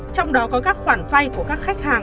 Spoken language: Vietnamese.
trong đó có các khoản vay của các khách hàng